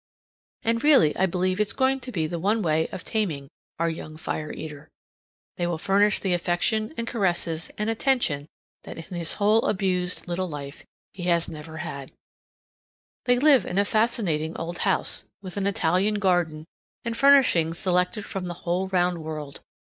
And really I believe it's going to be the one way of taming our young fire eater. They will furnish the affection and caresses and attention that in his whole abused little life he has never had. They live in a fascinating old house with an Italian garden, and furnishings selected from the whole round world.